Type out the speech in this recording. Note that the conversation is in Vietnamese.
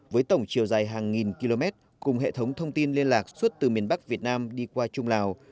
với tổng chiều dài hàng nghìn km cùng hệ thống thông tin liên lạc suốt từ miền bắc việt nam đi qua trung lào